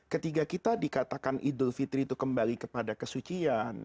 ketika kita dikatakan idul fitri itu kembali kepada kesucian